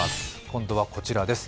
今度はこちらです。